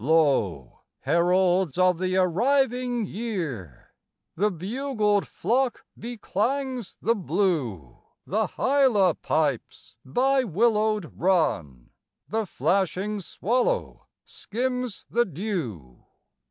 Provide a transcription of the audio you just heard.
Lo, heralds of the arriving year! The bugled flock beclangs the blue, The hyla pipes by willowed run, The flashing swallow skims the dew.